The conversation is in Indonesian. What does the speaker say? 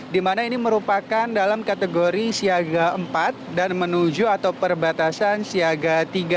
di mana ini merupakan dalam kategori siaga empat dan menuju atau perbatasan siaga tiga